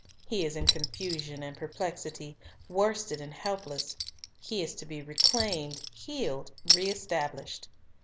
He is in confusion and perplexity, worsted and helpless. He is to be reclaimed, healed, re established.